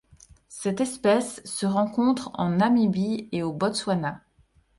Cette espèce se rencontre en Namibie et au Botswana.